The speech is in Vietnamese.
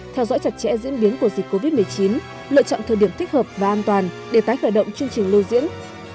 theo dõi chặt chẽ diễn biến của dịch covid một mươi chín lựa chọn thời điểm thích hợp và an toàn để tái khởi động chương trình lưu diễn